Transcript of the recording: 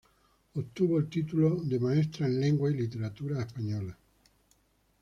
Obtuvo el título de maestra en Lengua y Literaturas Españolas.